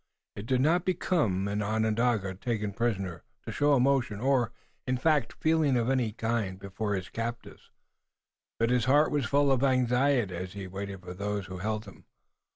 It did not become an Onondaga taken prisoner to show emotion, or, in fact, feeling of any kind before his captors, but his heart was full of anxiety as he waited with those who held him.